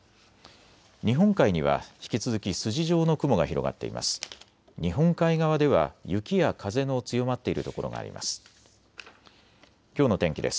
日本海には引き続き筋状の雲が広がっています。